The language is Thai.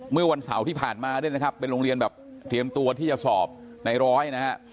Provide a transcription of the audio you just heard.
เมื่อวันเสาร์ที่ผ่านมาเป็นโรงเรียนแบบเตรียมตัวที่จะสอบในร้อย